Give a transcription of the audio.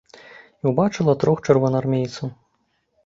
І ўбачыла трох чырвонаармейцаў.